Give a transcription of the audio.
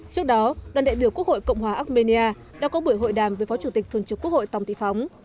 trước đó đoàn đại biểu quốc hội cộng hòa armenia đã có buổi hội đàm với phó chủ tịch thường trực quốc hội tòng thị phóng